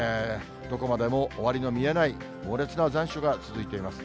どこまでも終わりの見えない猛烈な残暑が続いています。